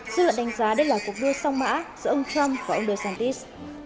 dự luận đánh giá đây là cuộc đua song mã giữa ông trump và ông desantis